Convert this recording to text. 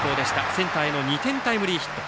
センターへの２点タイムリーヒット。